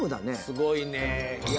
すごいね。